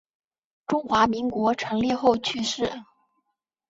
中华民国成立后去世。